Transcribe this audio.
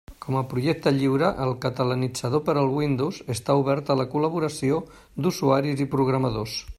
Com a projecte lliure, el Catalanitzador per al Windows està obert a la col·laboració d'usuaris i programadors.